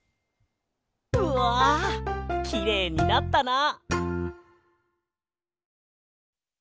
うわきれいになったな！